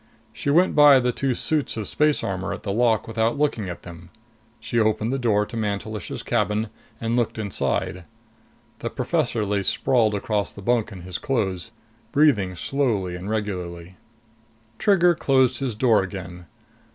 She went by the two suits of space armor at the lock without looking at them. She opened the door to Mantelish's cabin and looked inside. The professor lay sprawled across the bunk in his clothes, breathing slowly and regularly. Trigger closed his door again.